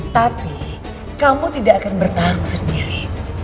tapi kamu tidak akan bertarung sendiri